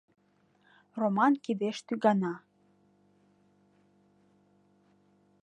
Роман кидеш тӱгана.